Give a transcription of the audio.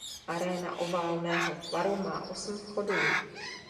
Aréna oválného tvaru má osm vchodů.